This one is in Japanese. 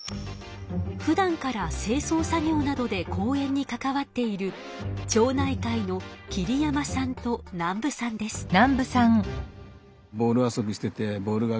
ふだんから清そう作業などで公園に関わっている町内会の桐山さんと南部さんです。